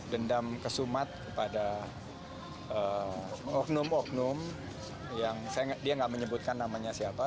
dendam kesumat kepada oknum oknum yang dia nggak menyebutkan namanya siapa